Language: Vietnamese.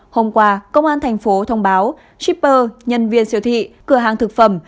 hôm qua công an tp hcm thông báo shipper nhân viên siêu thị cửa hàng thực phẩm